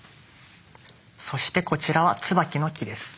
そしてこちらはツバキの木です。